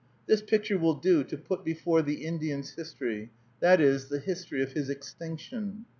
This picture will do to put before the Indian's history, that is, the history of his extinction.